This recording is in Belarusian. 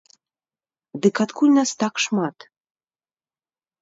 Дык адкуль нас так шмат?